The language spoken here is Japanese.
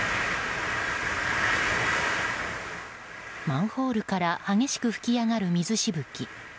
マンホールから激しく噴き上がる水しぶき。